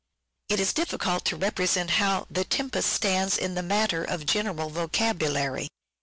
It is difficult to represent how " The Tempest " stands in the matter of general vocabulary.